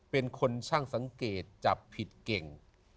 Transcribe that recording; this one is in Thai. เป็นคนช่างสังเกตจับผิดเก่ง